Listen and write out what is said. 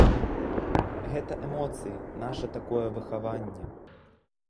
Гэта эмоцыі, наша такое выхаванне.